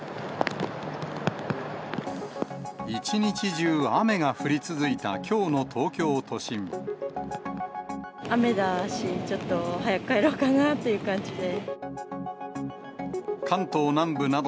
一日中、雨が降り続いたきょ雨だし、ちょっと早く帰ろうかなっていう感じで。